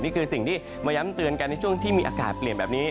นี่คือสิ่งที่มาย้ำเตือนกันในช่วงที่มีอากาศเปลี่ยนแบบนี้